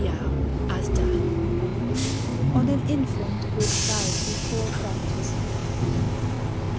ON AN INFANT WHICH DIED BEFORE BAPTISM.